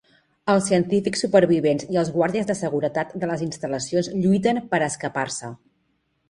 Els científics supervivents i els guàrdies de seguretat de les instal·lacions lluiten per escapar-se.